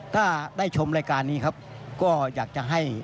ถ้าได้ชมรายการนี้ก็อยากจากให้